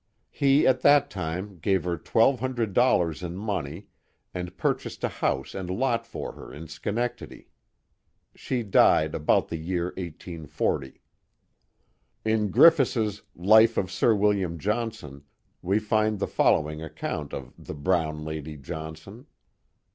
He at that time gave her $1200 in money and pur chased a house and lot for her in Schenectady. She died about the year 1840. In Griffis*s Life of Sir William Johnson we find the follow ing account of the brown Lady Johnson.